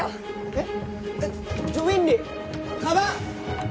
えっ？